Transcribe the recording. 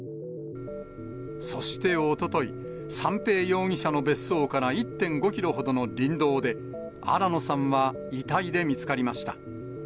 そしておととい、三瓶容疑者の別荘から１．５キロほどの林道で、新野さんは遺体で見つかりました。